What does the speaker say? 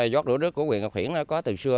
giót đũa đước của quyền ngọc hiển có từ xưa